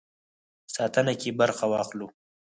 ساتنه کې برخه واخلو.